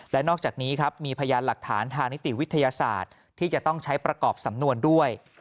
และนอกจากนี้ครับมีพยานหลักฐานทางนิติวิทยาศาสตร์ที่จะต้องใช้ประกอบสำนวนด้วย